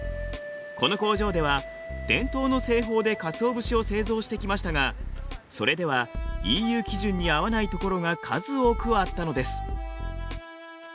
この工場では伝統の製法でかつお節を製造してきましたがそれではＥＵ基準に合わないところが数多くあったのです。